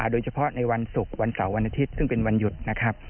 โดยเฉพาะในวันศุกร์วันเสาร์วันอาทิตย์ซึ่งเป็นวันหยุดนะครับ